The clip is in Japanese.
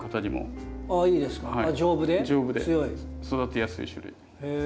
育てやすい種類で。